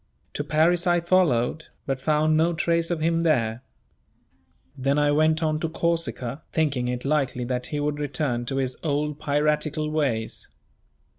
To Paris I followed, but found no trace of him there. Then I went on to Corsica, thinking it likely that he would return to his old piratical ways.